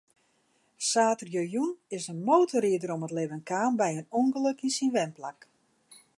Saterdeitejûn is in motorrider om it libben kaam by in ûngelok yn syn wenplak.